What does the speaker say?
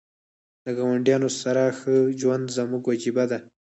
د ګاونډیانو سره ښه ژوند زموږ وجیبه ده .